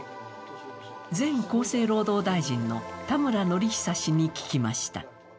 前厚生労働大臣の田村憲久氏に聞きました。